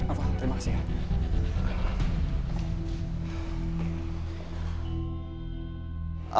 alva terima kasih ya